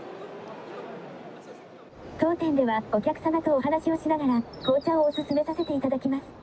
当店ではお客様とお話をしながら紅茶をおすすめさせていただきます。